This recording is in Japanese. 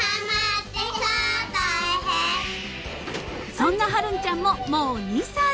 ［そんな春音ちゃんももう２歳］